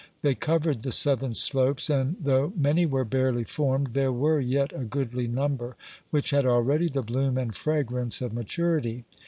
They covered the southern slopes, and though many were barely formed, there were yet a goodly number which had already the bloom and fragrance of maturity.